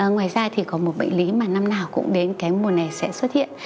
ngoài ra thì có một bệnh lý mà năm nào cũng đến cái mùa này sẽ xuất hiện